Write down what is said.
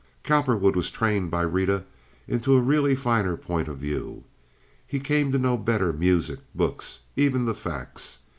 Cowperwood was trained by Rita into a really finer point of view. He came to know better music, books, even the facts.